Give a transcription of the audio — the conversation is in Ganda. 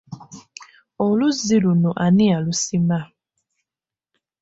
Oluzzi luno ani yalusima?